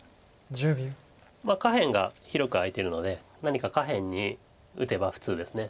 まあ下辺が広く空いてるので何か下辺に打てば普通です。